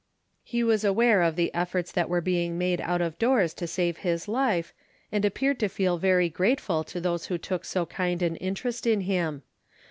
He was aware of the efforts that were being made out of doors to save his life, and appeared to feel very grateful to those who took so kind an interest in him.